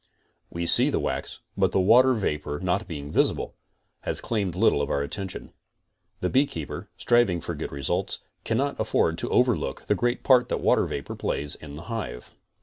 We see the wax, but the water vapor not being visible, has claimed little of our attention. The beekeeper, striving for good results, cannot afford to overlook the great part that water vapor plays in the hive.